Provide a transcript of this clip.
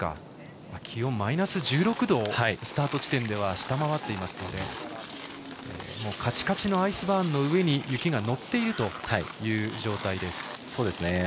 気温はマイナス１６度をスタート地点では下回っていますのでカチカチのアイスバーンの上に雪が乗っている状態です。